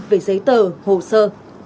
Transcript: về giấy tờ hồ sơ